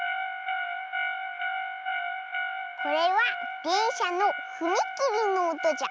これはでんしゃのふみきりのおとじゃ。